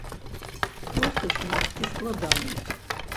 Просты шлях ці складаны?